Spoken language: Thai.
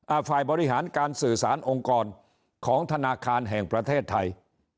ฝ่ายบริหารการสื่อสารองค์กรของธนาคารแห่งประเทศไทย